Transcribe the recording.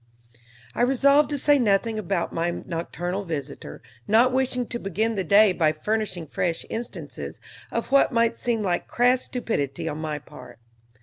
I resolved to say nothing about my nocturnal visitor, not wishing to begin the day by furnishing fresh instances of what might seem like crass stupidity on my part.